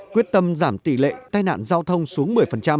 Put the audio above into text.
quyết tâm giảm tỷ lệ tai nạn giao thông xuống một mươi